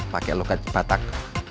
pakai lokat batak